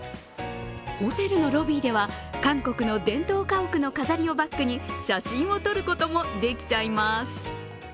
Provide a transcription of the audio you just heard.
ホテルのロビーでは韓国の伝統家屋の飾りをバックに写真を撮ることもできちゃいます。